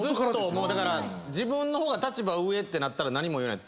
もうだから自分の方が立場上ってなったら何も言えない。